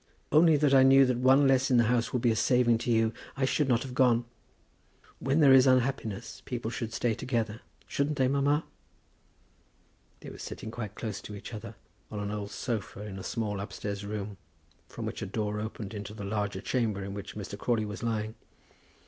"Only that I knew that one less in the house would be a saving to you I should not have gone. When there is unhappiness, people should stay together; shouldn't they, mamma?" They were sitting quite close to each other, on an old sofa in a small upstairs room, from which a door opened into the larger chamber in which Mr. Crawley was lying.